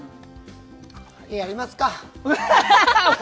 やりますか。